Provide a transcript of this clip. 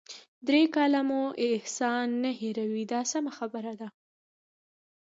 درې کاله مو احسان نه هیروي دا سمه خبره ده.